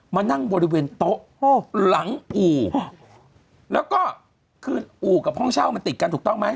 มานั่งบริเวณโต๊ะหลังอู่แล้วก็คืออู่กับห้องเช่ามันติดกันถูกต้องไหม